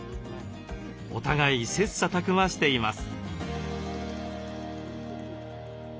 お互い切磋琢磨しています。